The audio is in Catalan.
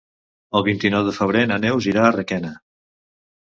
El vint-i-nou de febrer na Neus irà a Requena.